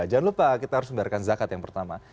jangan lupa kita harus membayarkan zakat yang pertama